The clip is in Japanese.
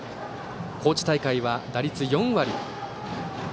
高知大会は打率４割。